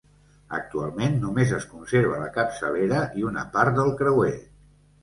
Actualment només es conserva la capçalera i una part del creuer.